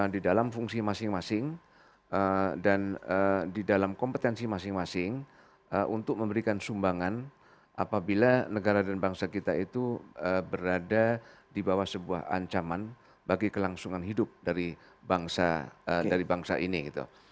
di dalam fungsi masing masing dan di dalam kompetensi masing masing untuk memberikan sumbangan apabila negara dan bangsa kita itu berada di bawah sebuah ancaman bagi kelangsungan hidup dari bangsa dari bangsa ini gitu